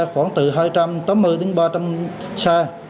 khoảng từ hai trăm tám mươi đến ba trăm linh xe